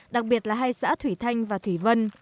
đặc biệt là hai xã thủy thanh và thủy vân